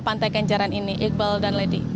berdatangan ke pantai kenjaran ini iqbal dan lady